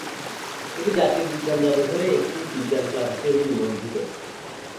এটি জাতীয় বিজ্ঞান জাদুঘরে একটি বিজ্ঞান ক্লাব হিসেবে নিবন্ধিত।